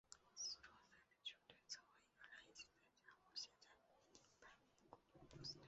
其中三支球队曾和英格兰一起参加过现在已停办的英国本土四角锦标赛。